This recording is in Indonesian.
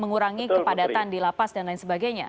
mengurangi kepadatan di lapas dan lain sebagainya